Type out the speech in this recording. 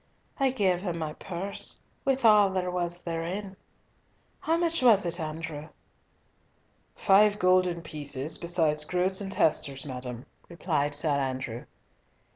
I gave him my purse, with all there was therein. How much was it, Andrew?" "Five golden pieces, besides groats and testers, madam," replied Sir Andrew.